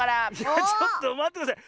ちょっとまってください。